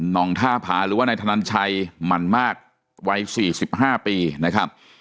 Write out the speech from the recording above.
องท่าผาหรือว่านายธนันชัยหมั่นมากวัย๔๕ปีนะครับ